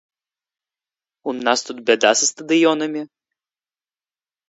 У нас тут бяда са стадыёнамі?